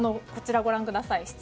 こちら、ご覧ください。